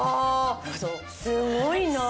すごいなあ！